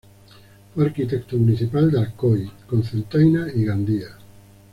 Fue arquitecto municipal de Alcoy, Cocentaina y Gandía.